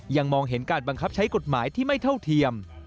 มองเห็นการบังคับใช้กฎหมายที่ไม่เท่าเทียม